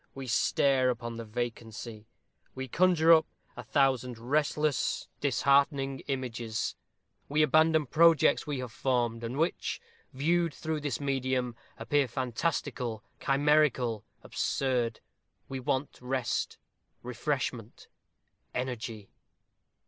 We stare upon the vacancy. We conjure up a thousand restless, disheartening images. We abandon projects we have formed, and which, viewed through this medium, appear fantastical, chimerical, absurd. We want rest, refreshment, energy.